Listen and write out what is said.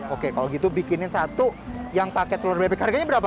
oke kalau gitu bikinin satu yang pakai telur bebek harganya berapa